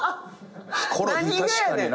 ヒコロヒー確かにな。